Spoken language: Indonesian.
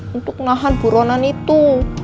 untuk nahan buruanan itu